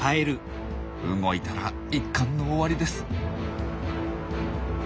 動いたら一巻の終わりです。